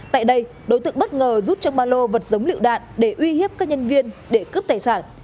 tại đây đối tượng bất ngờ rút trong ba lô vật giống lựu đạn để uy hiếp các nhân viên để cướp tài sản